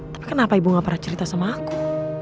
tapi kenapa ibu gak pernah cerita sama aku